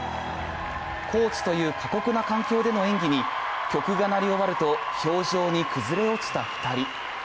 高地という過酷な環境での演技に曲が鳴り終わると氷上に崩れ落ちた２人。